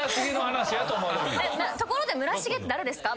「ところで村重って誰ですか？」